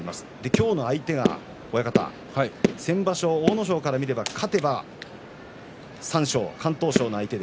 今日の相手は先場所、阿武咲から見れば勝てば三賞、敢闘賞の相手。